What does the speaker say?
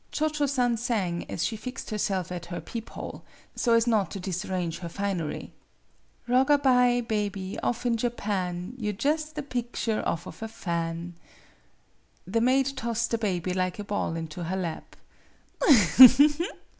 Cho Cho San sang as she fixed herself at her peep holeso as not to disarrange her finery :" Rog a by, bebby, off in Japan, You jus' a picture off of a fan." The maid tossed the baby like a ball into her lap.